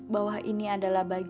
bahwa ini adalah bagiannya